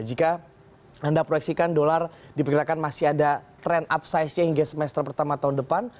jika anda proyeksikan dolar diperkirakan masih ada trend upsize nya hingga semester pertama tahun depan